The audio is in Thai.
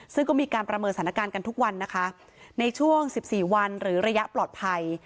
ซึ่งก็มีการประเมินสถานการณ์กันทุกวันนะคะในช่วง๑๔วันหรือระยะปลอดภัย